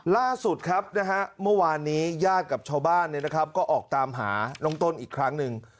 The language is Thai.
ล่าสุดครับนะฮะเมื่อวานนี้ญาติกับชาวบ้านก็ออกตามหาน้องต้นอีกครั้งหนึ่ง